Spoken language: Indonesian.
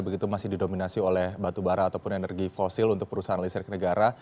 begitu masih didominasi oleh batu bara ataupun energi fosil untuk perusahaan listrik negara